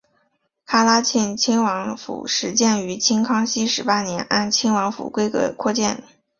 喀喇沁亲王府始建于清康熙十八年按亲王府规格扩建。